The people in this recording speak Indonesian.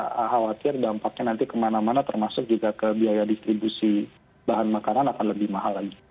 karena kita khawatir dampaknya nanti kemana mana termasuk juga ke biaya distribusi bahan makanan akan lebih mahal lagi